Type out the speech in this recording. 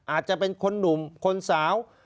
อาจจะเป็นคนหนุ่มคนสาว